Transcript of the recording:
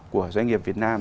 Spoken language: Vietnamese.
của các doanh nghiệp việt nam